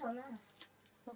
ya kerja lah